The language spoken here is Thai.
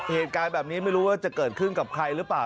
เหตุการณ์แบบนี้ไม่รู้ว่าจะเกิดขึ้นกับใครหรือเปล่า